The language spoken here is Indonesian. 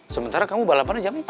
sementara kamu balapannya jam empat